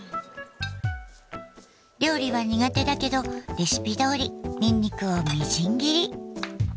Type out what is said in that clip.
料理は苦手だけどレシピどおりニンニクをみじん切り。